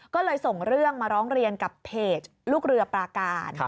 ก็เลยส่งเรื่องมาร้องเรียนกับเพจลูกเรือปราการ